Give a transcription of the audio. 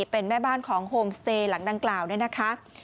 เป็นแม่บ้านของโฮมสเตย์หลังดังกล่าวเนี่ยนะคะ